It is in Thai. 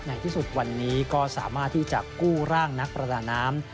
ในที่สุดวันนี้ก็สามารถที่จะกู้ร่างนักประดาน้ำ